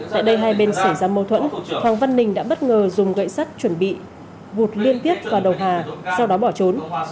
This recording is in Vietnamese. tại đây hai bên xảy ra mâu thuẫn hoàng văn ninh đã bất ngờ dùng gậy sắt chuẩn bị vụt liên tiếp vào đầu hà sau đó bỏ trốn